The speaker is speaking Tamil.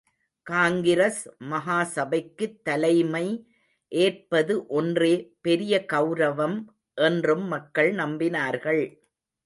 காங்கிரஸ் மகா சபைக்குத் தலைமை ஏற்பது ஒன்றே பெரிய கெளரவம் என்றும் மக்கள் நம்பினார்கள்.